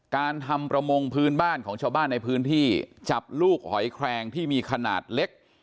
การทำประมงพื้นบ้านของชาวบ้านในพื้นที่จับลูกหอยแครงที่มีขนาดเล็ก